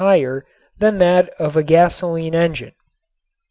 higher than that of a gasoline engine.